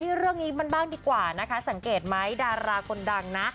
เรื่องนี้มันบ้างดีกว่านะคะสังเกตไหมดาราคนดังนะ